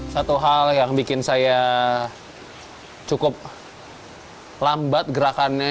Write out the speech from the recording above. satu hal yang bikin saya cukup lambat gerakannya